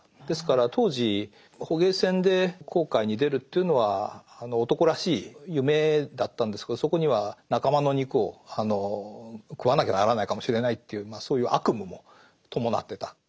ですから当時捕鯨船で航海に出るというのは男らしい夢だったんですけどそこには仲間の肉を食わなきゃならないかもしれないというそういう悪夢も伴ってた。